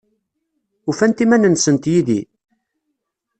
Ufant iman-nsent yid-i?